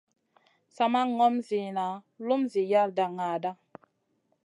Sa ma ŋom ziyna lum zi yalda naaɗa.